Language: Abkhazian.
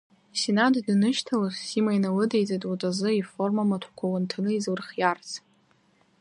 Синаҭ данышьҭалоз Сима иналыдиҵеит уаҵәазы иформа маҭәақәа уанҭаны излырхиарц.